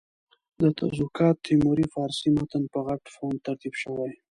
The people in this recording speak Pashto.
د تزوکات تیموري فارسي متن په غټ فونټ ترتیب شوی.